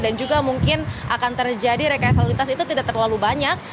dan juga mungkin akan terjadi rekaya salur lintas itu tidak terlalu banyak